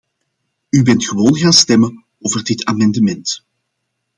U bent gewoon gaan stemmen over dit amendement.